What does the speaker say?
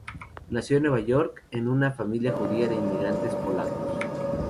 Nació en Nueva York, en una familia judía de inmigrantes polacos.